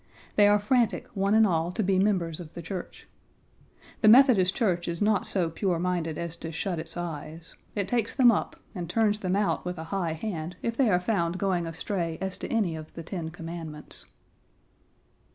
They are frantic, one and all, to be members of the church. The Methodist Church is not so pure minded as to shut its eyes; it takes them up and turns them out with a high hand if they are found going astray as to any of the ten commandments.